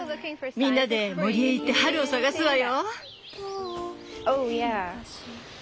みんなで森へ行って春を探すわよ。